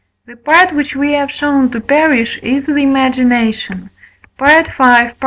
the part which we have shown to perish is the imagination (V. xxi.)